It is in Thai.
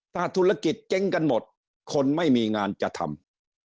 ถ้าธุรกิจเจ๊งกันหมดคนไม่มีงานจะทำ